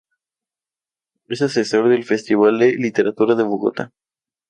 Es Asesor del Festival de Literatura de Bogotá.